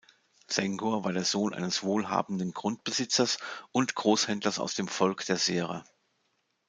Senghor war der Sohn eines wohlhabenden Grundbesitzers und Großhändlers aus dem Volk der Serer.